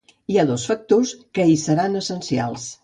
Hi ha dos factors que hi seran essencials.